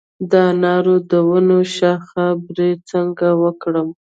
د انارو د ونو شاخه بري څنګه وکړم؟